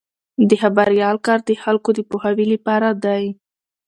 د خبریال کار د خلکو د پوهاوي لپاره دی.